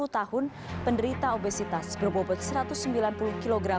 sepuluh tahun penderita obesitas berbobot satu ratus sembilan puluh kg